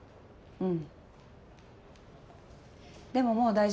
うん。